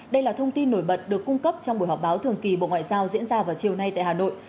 đây là thông tin nổi bật được cung cấp trong buổi họp báo thường kỳ bộ ngoại giao diễn ra vào chiều nay tại hà nội